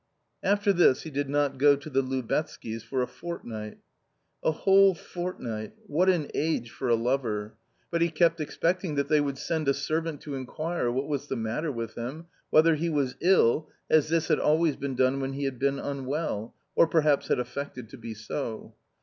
After this he did not go to the Lubetzky's for a fort night. A whole fortnight : what an age for a lover ! But he kept expecting that they would send a servant to inquire what was the matter with him, whether he was ill, as this had always been done when he had been unwell, or perhaps had affected to be so.